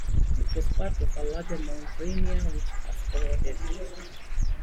It was part of a larger Mount Rainier which has eroded.